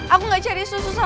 aku gak cari susu sama vitamin